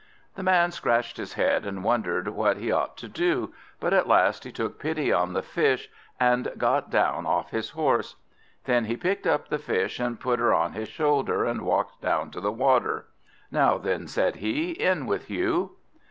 The Man scratched his head, and wondered what he ought to do; but at last he took pity on the Fish, and got down off his horse. Then he picked up the Fish and put her on his shoulder, and walked down to the water. "Now then," said he, "in with you."